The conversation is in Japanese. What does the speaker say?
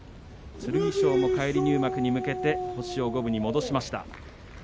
剣翔も返り入幕に向けて星を五分に戻しました。